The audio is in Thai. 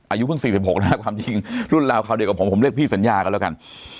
อายุเพิ่ง๔๖นะฮะจริงรุ่นหลาวเขาเด็กกว่าผมผมเรียกพี่สัญญากันแล้วกัน